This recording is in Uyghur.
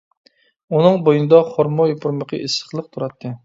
ئۇنىڭ بوينىدا خورما يوپۇرمىقى ئېسىقلىق تۇراتتى.